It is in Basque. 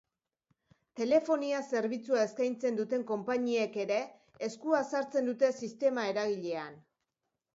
Telefonia zerbitzua eskaintzen duten konpainiek ere, eskua sartzen dute sistema eragilean.